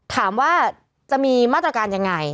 ถามว่าจะมีมาตรการยังไง